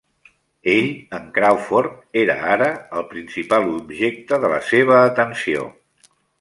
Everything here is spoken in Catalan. Ell, en Crawford, era ara el principal objecte de la seva atenció.